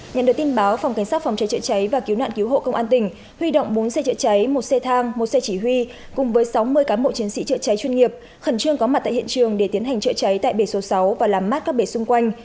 nhận được tin báo phòng cảnh sát phòng cháy chữa cháy và cứu nạn cứu hộ công an tỉnh huy động bốn xe chữa cháy một xe thang một xe chỉ huy cùng với sáu mươi cán bộ chiến sĩ trợ cháy chuyên nghiệp khẩn trương có mặt tại hiện trường để tiến hành chữa cháy tại bể số sáu và làm mát các bể xung quanh